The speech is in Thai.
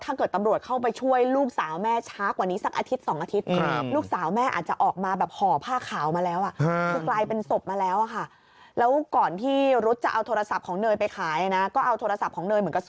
ตำรวจเข้าไปช่วยลูกสาวแม่ช้ากว่านี้สักอาทิตย์๒อาทิตย์